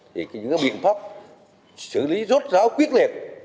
thì những cái biện pháp xử lý rốt ráo quyết liệt